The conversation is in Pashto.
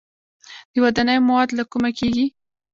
د ودانیو مواد له کومه کیږي؟